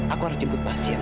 aku harus jemput pasien